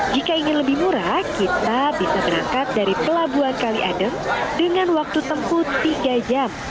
jika ingin lebih murah kita bisa berangkat dari pelabuhan kali adem dengan waktu tempuh tiga jam